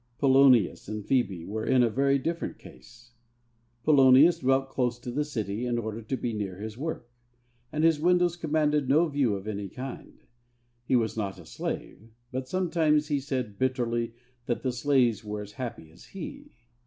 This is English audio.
II Polonius and Phebe were in a very different case. Polonius dwelt close to the city in order to be near his work, and his windows commanded no view of any kind. He was not a slave, but sometimes he said bitterly that the slaves were as happy as he.